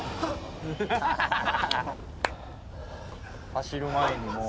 走る前にもう。